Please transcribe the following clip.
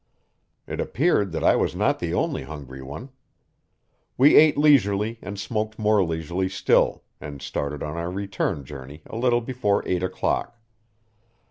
It appeared that I was not the only hungry one. We ate leisurely and smoked more leisurely still, and started on our return journey a little before eight o'clock.